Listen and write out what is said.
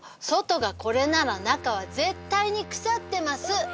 外がこれなら中は絶対に腐ってます。